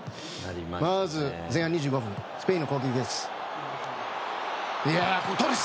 まず前半２５分スペインの攻撃です。